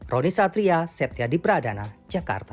roni satria septia di pradana jakarta